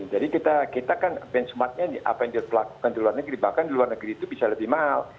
jadi kita kan benchmarknya apa yang dilakukan di luar negeri bahkan di luar negeri itu bisa lebih mahal